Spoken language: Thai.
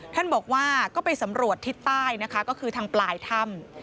ท่านบอกว่าก็ไปสำรวจทิศใต้นะคะก็คือทางปลายถ้ำ